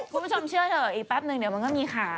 คุณผู้ชมเชื่อเถอะอีกแป๊บนึงเดี๋ยวมันก็มีข่าว